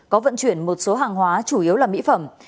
có vận chuyển một số hàng hóa chủ yếu là mỹ phẩm